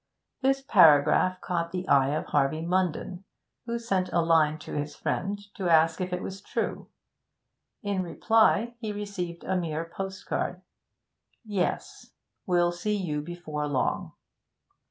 This paragraph caught the eye of Harvey Munden, who sent a line to his friend, to ask if it was true. In reply he received a mere postcard: 'Yes. Will see you before long.'